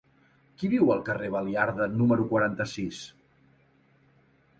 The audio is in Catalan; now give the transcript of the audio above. Qui viu al carrer de Baliarda número quaranta-sis?